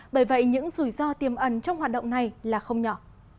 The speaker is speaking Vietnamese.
bởi vậy những rủi ro tiềm ẩn trong hoạt động này là không nhỏ